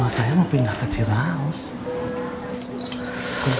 bertua saya mau pindah ke kaya wu follow